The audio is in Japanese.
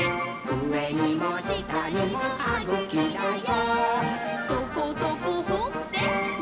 うえにもしたにもはぐきだよ！」